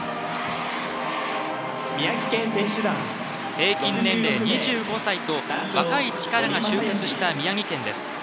平均年齢２５歳と若い力が集結した宮城県です。